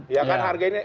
ya kan harganya